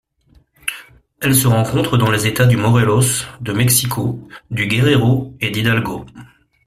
Elle se rencontre dans les États du Morelos, de Mexico, du Guerrero et d'Hidalgo.